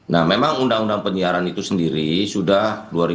nah memang undang undang penyiaran itu sendiri sudah dua ribu dua puluh